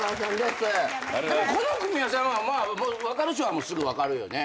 この組み合わせは分かる人はすぐ分かるよね。